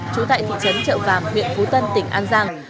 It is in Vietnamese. trú tại thị trấn trợ vàm huyện phú tân tỉnh an giang